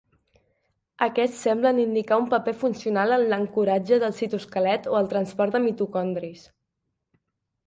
Aquests semblen indicar un paper funcional en l'ancoratge del citoesquelet o el transport de mitocondris.